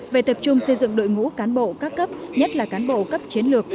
về tập trung xây dựng đội ngũ cán bộ các cấp nhất là cán bộ cấp chiến lược